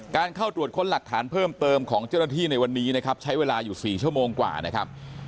เข้าตรวจค้นหลักฐานเพิ่มเติมของเจ้าหน้าที่ในวันนี้นะครับใช้เวลาอยู่๔ชั่วโมงกว่านะครับ